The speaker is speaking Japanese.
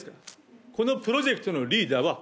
このプロジェクトのリーダーは私だ。